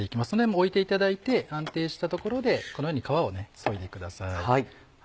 置いていただいて安定したところでこのように皮をそいでください。